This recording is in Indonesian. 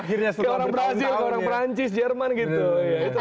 kayak orang brazil orang perancis jerman gitu ya